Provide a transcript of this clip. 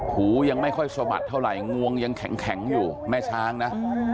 หูยังไม่ค่อยสะบัดเท่าไหร่งวงยังแข็งอยู่แม่ช้างนะ